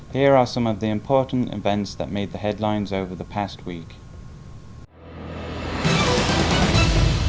đây là những thông tin đối ngoại đáng chú ý ngay sau đây